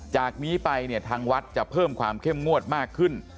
จากนี้ไปเนี่ยทางวัดจะเพิ่มความเข้มงวดมากขึ้น